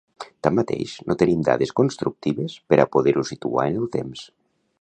Tanmateix, no tenim dades constructives per a poder-ho situar en el temps.